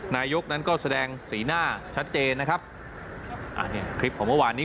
นายกนั้นก็แสดงสีหน้าชัดเจนนะครับอ่าเนี่ยคลิปของเมื่อวานนี้